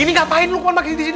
ini ngapain lu pun lagi di sini